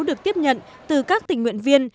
được tiếp nhận từ các tỉnh nguyện viên